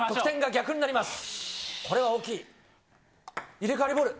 入れ替わりボール！